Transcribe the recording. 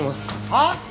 はっ！？